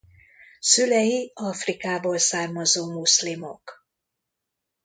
Szülei Afrikából származó muszlimok.